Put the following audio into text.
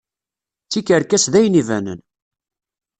D tikerkas d ayen ibanen.